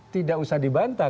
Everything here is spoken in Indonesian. tidak usah dibantah